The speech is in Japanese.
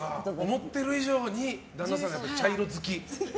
思ってる以上に旦那さんが茶色好き。